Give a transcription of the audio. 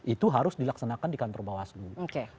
itu harus dilaksanakan di kantor bawah seluruh